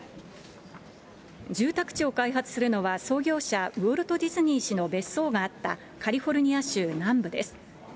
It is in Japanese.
住宅地を開発するのは、創業者、ウォルト・ディズニー氏の別荘があったカリフォルニア州南部です。